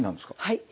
はい。